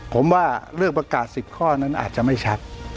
ผมว่าเรื่องประกาศ๑๐ข้อนั้นอาจจะไม่ชัด